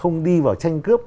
không đi vào tranh cướp